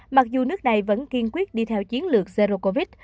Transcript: mặc dù nước này vẫn kiên quyết đi theo chiến lược zero covid